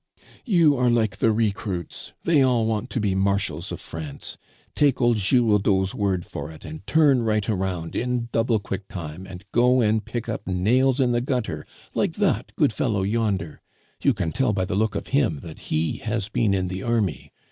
"You are like the recruits. They all want to be marshals of France. Take old Giroudeau's word for it, and turn right about, in double quick time, and go and pick up nails in the gutter like that good fellow yonder; you can tell by the look of him that he has been in the army.